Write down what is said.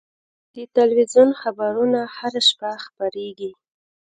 د تلویزیون خبرونه هره شپه خپرېږي.